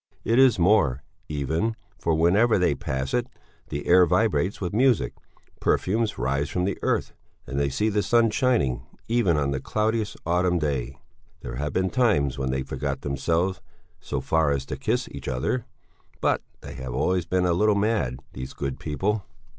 It is more, even, for whenever they pass it, the air vibrates with music, perfumes rise from the earth, and they see the sun shining even on the cloudiest autumn day; there have been times when they forgot themselves so far as to kiss each other; but they have always been a little mad, these good people.